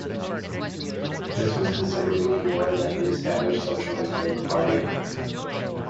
This was considerably more than the established Socialist Labor Party.